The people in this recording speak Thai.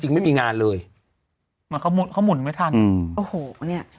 ไม่มีงานเลยเหมือนเขาหมุนไม่ทันอืมโอ้โหเนี้ย